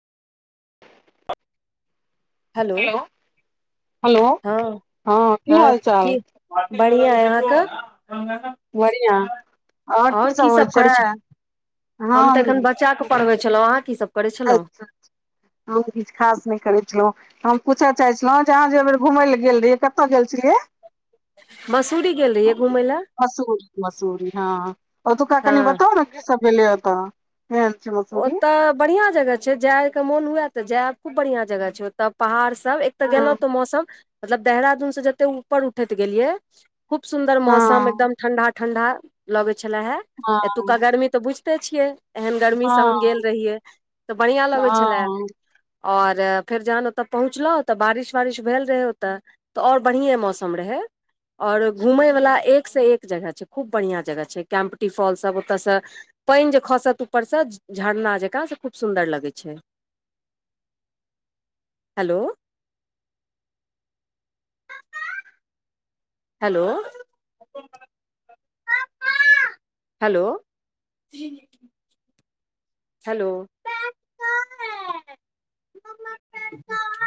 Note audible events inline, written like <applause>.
<inaudible> Hello hello हँ हँ की हाल चाल बढ़िआँ अइ अहाँक बढ़िआँ आओर की और सब होइ कीसभ छै करै छथि हम तऽ एखन बच्चा के पढ़बै छलहुँ अहाँ की सब करै छलहुँ अच्छा अच्छा हमहुं त किछु खास नहि करै छलहुं हम पूछ चाहै छलहुँ जे अहाँ जे एहिबेर घुमय लए गेल रहियै कतय गेल छलियै मसूरी गेल रहियै घुमय लए मसूरी मसूरी हँ ओतुका कनि हँ बतो ना कि सब भेलै ओतऽ मेन ची म ओतय बढ़ियां जगह छै जाय के मोन हुए तऽ जायब खूब बढ़ियां जगह छै ओ तब पहाड़ सभ एक तऽ हँ गेलहुँ तऽ मौसम मतलब देहरादूनसँ जतेक ऊपर उठैत गेलियै खूब सुन्दर मौसम हँ एकदम ठंडा ठंडा लगे छले हे हँ एतुका गर्मी तऽ बुझिते छियै एहन गर्मी से हँ हम गेल रहियै तऽ बढ़ियां लगै छले हँ और फेर जहन ओतय पहुँचलहु तऽ बारिश वारिश भेल रहै ओत। तऽऔर बढ़िए मौसम रहै। ओर घूमय वला एकसँ एक जगह छैय खूब बढ़िआँ जगह छैय कैम्पटी फॉल सब ओतयसँ पानि जे खसत ऊपरसँ झरना जेका सभ खूब सुन्दर लगै छैय। Hello hello hello hello